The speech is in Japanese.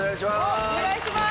お願いします。